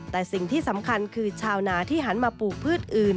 แต่สิ่งที่สำคัญคือชาวนาที่หันมาปลูกพืชอื่น